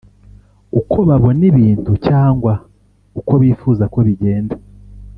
uko babona ibintu cyangwa uko bifuza ko bigenda